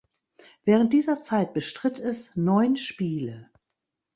Während dieser Zeit bestritt es neun Spiele.